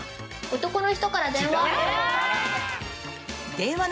男の人から電話！